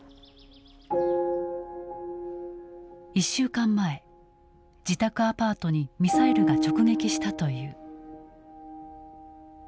１週間前自宅アパートにミサイルが直撃したという。